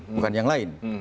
bukan yang lain